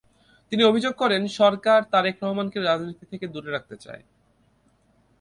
তিনি অভিযোগ করেন, সরকার তারেক রহমানকে রাজনীতি থেকে দূরে রাখতে চায়।